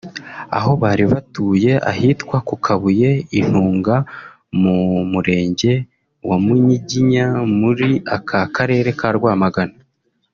aho bari batuye ahitwa ku kabuye I ntunga mu murenge wa Munyiginya muri aka karere ka Rwamagana